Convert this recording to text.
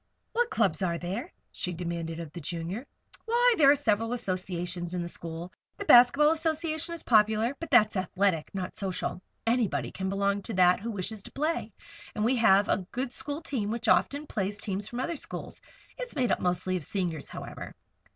"What clubs are there?" she demanded of the Junior. "Why, there are several associations in the school. The Basket Ball Association is popular; but that's athletic, not social. Anybody can belong to that who wishes to play. And we have a good school team which often plays teams from other schools. It's made up mostly of Seniors, however."